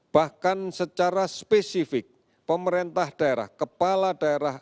bahkan secara spesifik pemerintah daerah kepala daerah